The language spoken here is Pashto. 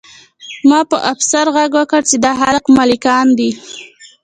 ما په افسر غږ وکړ چې دا خلک ملکیان دي